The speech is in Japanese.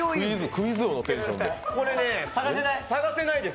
「クイズ王」のテンションで。